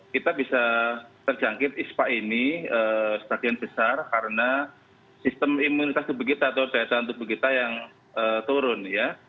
kita bisa terjangkit ispa ini stadion besar karena sistem imunitas tubuh kita atau gejala tubuh kita yang turun